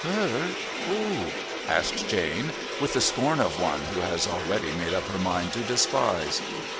"Her? Who?" asked Jane, with the scorn of one who has already made up her mind to despise.